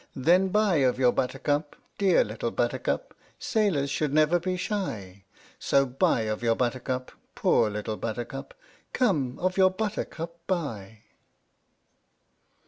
Then buy of your Buttercup — dear Little Buttercup, Sailors should never be shy — So, buy of your Buttercup — poor Little Buttercup — Come, of your Buttercup buy!